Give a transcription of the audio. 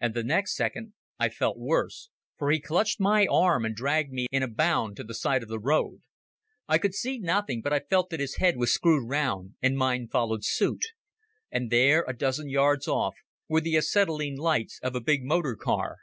And the next second I felt worse, for he clutched my arm and dragged me in a bound to the side of the road. I could see nothing, but I felt that his head was screwed round, and mine followed suit. And there, a dozen yards off, were the acetylene lights of a big motor car.